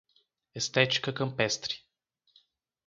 Estética campestre